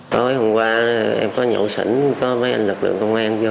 tối hôm qua em có nhậu sỉnh có mấy anh lực lượng công an vô